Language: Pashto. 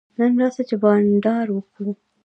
نن راسه چي بانډار وکو.